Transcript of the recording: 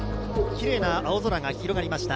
きれいな青空が広がりました。